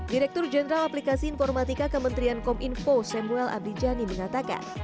direktur jenderal aplikasi informatika kementerian kom info samuel abidjani mengatakan